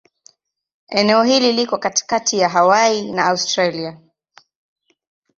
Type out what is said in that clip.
Eneo hili liko katikati ya Hawaii na Australia.